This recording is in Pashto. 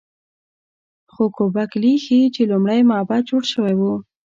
خو ګوبک لي ښيي چې لومړی معبد جوړ شوی و.